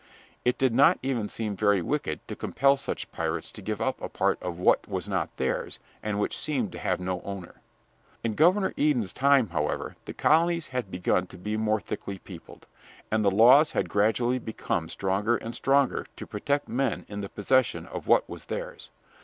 It did not even seem very wicked to compel such pirates to give up a part of what was not theirs, and which seemed to have no owner. In Governor Eden's time, however, the colonies had begun to be more thickly peopled, and the laws had gradually become stronger and stronger to protect men in the possession of what was theirs.